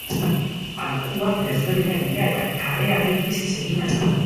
Arkuak desberdinak dira eta kareharri grisez eginak daude.